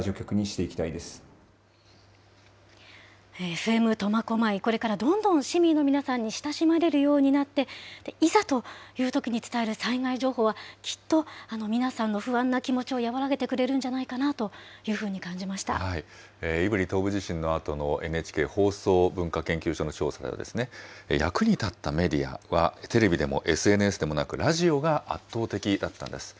ＦＭとまこまい、これからどんどん市民の皆さんに親しまれるようになって、いざというときに伝える災害情報は、きっと皆さんの不安な気持ちを和らげてくれるんじゃないかなとい胆振東部地震のあとのＮＨＫ放送文化研究所の調査では、役に立ったメディアは、テレビでもＳＮＳでもなく、ラジオが圧倒的だったんです。